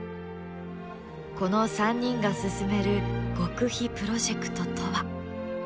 この３人が進める極秘プロジェクトとは？